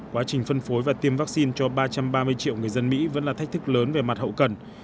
quá trình phân phối và tiêm vaccine cho ba trăm ba mươi triệu người dân mỹ vẫn là thách thức lớn về mặt hậu cần